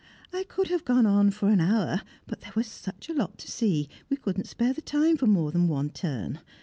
I could have gone on for an hour, but there was such a lot to see, we could not spare the time for more than one turn.